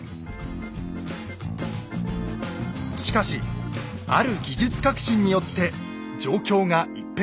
しかしある技術革新によって状況が一変します。